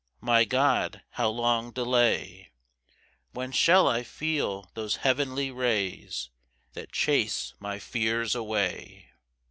My God, how long delay? When shall I feel those heavenly rays That chase my fears away?